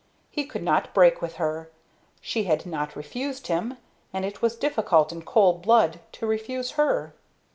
He could not break with her; she had not refused him, and it was difficult in cold blood to refuse her.